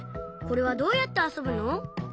これはどうやってあそぶの？